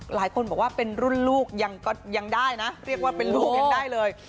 หลายคนบอกว่าเป็นรุ่นลูกยังได้นะเรียกว่าเป็นลูกยังได้เลย